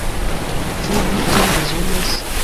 Ĉu vi tion bezonas?